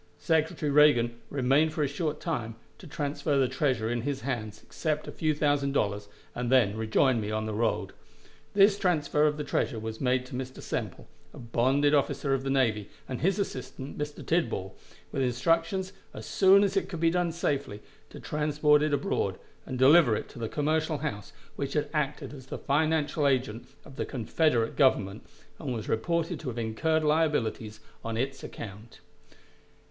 Secretary Reagan remained for a short time to transfer the treasure in his hands, except a few thousand dollars, and then rejoined me on the road. This transfer of the treasure was made to Mr. Semple, a bonded officer of the navy, and his assistant, Mr. Tidball, with instructions, as soon as it could be safely done, to transport it abroad and deliver it to the commercial house which had acted as the financial agent of the Confederate Government, and was reported to have incurred liabilities on its account.